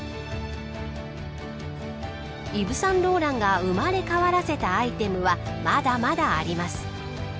イヴ・サンローランが生まれ変わらせたアイテムはまだまだあります。